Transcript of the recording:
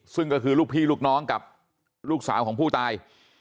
ซึ่งก็คือลูกพี่ลูกน้องกับลูกสาวของผู้ตาย